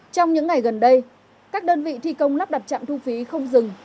trong những ngày gần đây các đơn vị thi công lắp đặt trạm thu phí không dừng